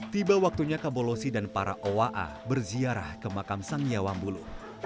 tiba waktunya kabolosi dan para owa a berziarah ke makam sangya wambulu